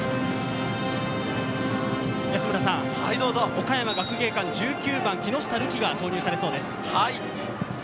岡山学芸館、１９番・木下瑠己が投入されそうです。